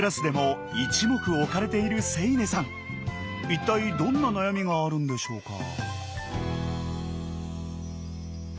一体どんな悩みがあるんでしょうか。